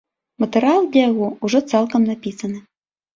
Матэрыял для яго ўжо цалкам напісаны.